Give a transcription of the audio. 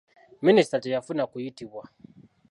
Minisita teyafuna kuyitibwa.